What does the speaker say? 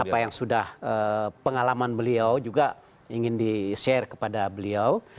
apa yang sudah pengalaman beliau juga ingin di share kepada beliau